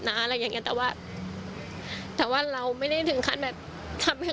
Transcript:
อะไรอย่างเงี้แต่ว่าแต่ว่าเราไม่ได้ถึงขั้นแบบทำให้